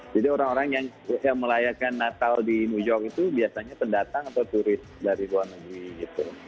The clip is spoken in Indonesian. jadi orang orang yang melayakan natal di new york itu biasanya pendatang atau turis dari luar negeri gitu